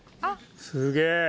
すげえ。